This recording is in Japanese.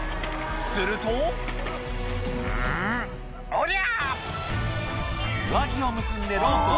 すると「うんおりゃ！」